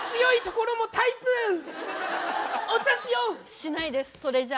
しないですそれじゃあ。